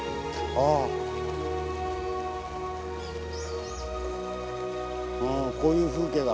あぁこういう風景だ。